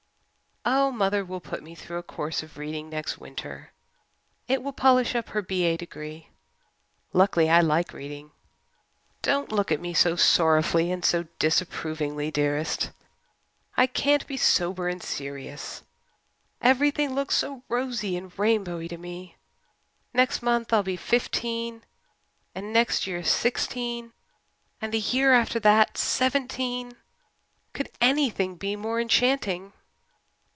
"Oh, mother will put me through a course of reading next winter. It will polish up her B.A. degree. Luckily I like reading. Don't look at me so sorrowfully and so disapprovingly, dearest. I can't be sober and serious everything looks so rosy and rainbowy to me. Next month I'll be fifteen and next year sixteen and the year after that seventeen. Could anything be more enchanting?"